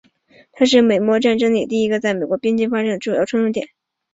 它是美墨战争里第一个在美国边境发生的主要冲突点。